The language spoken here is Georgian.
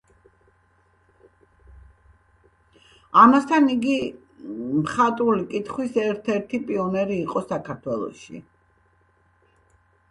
ამასთან ერთად იგი მხატვრული კითხვის ერთ-ერთი პიონერი იყო საქართველოში.